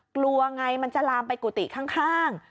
กลัวไงมันจะลามไปกุฏิข้าง